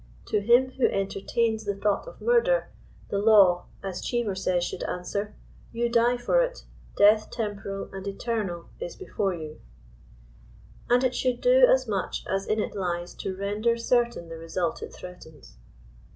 To him who entertains the thought of murder, "the law" as Cheever says should answer, ''you die for it. Death temporal and eternal is before you/' And it should do as much as in it lies to render certain the result it threatens.